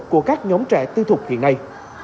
của các nhóm trẻ tư thuộc hiện nay